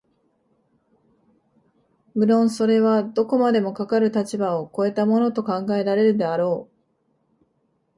無論それはどこまでもかかる立場を越えたものと考えられるであろう、